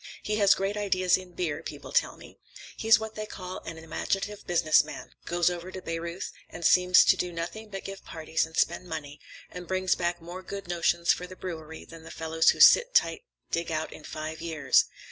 He has great ideas in beer, people tell me. He's what they call an imaginative business man; goes over to Bayreuth and seems to do nothing but give parties and spend money, and brings back more good notions for the brewery than the fellows who sit tight dig out in five years.